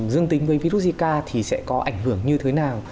dương tính với virus zika thì sẽ có ảnh hưởng như thế nào